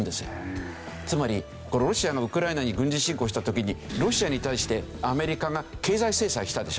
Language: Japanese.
つまりロシアがウクライナに軍事侵攻した時にロシアに対してアメリカが経済制裁したでしょう。